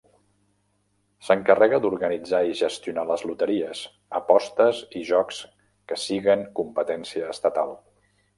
S'encarrega d'organitzar i gestionar les loteries, apostes i jocs que siguen competència estatal.